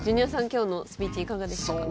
今日のスピーチいかがでしたか？